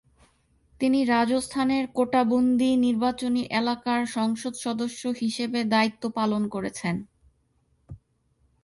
তিনি রাজস্থানের কোটা-বুন্দি নির্বাচনী এলাকার সংসদ সদস্য হিসেবে দায়িত্ব পালন করেছেন।